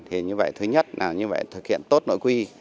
thứ nhất là như vậy thực hiện tốt nội quy